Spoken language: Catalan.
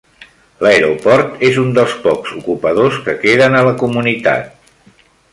L"aeroport és un dels pocs ocupadors que queden a la comunitat.